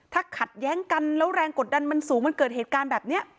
ถ้าขัดแย้งกันแล้วแรงกดดันมันสูงมันเกิดเหตุการณ์แบบนี้